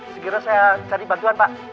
segera saya cari bantuan pak